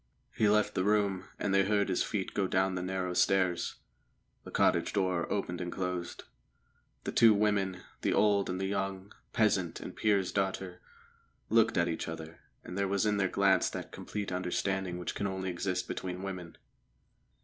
He left the room, and they heard his feet go down the narrow stairs. The cottage door opened and closed. The two women, the old and the young, peasant and peer's daughter, looked at each other, and there was in their glance that complete understanding which can only exist between women.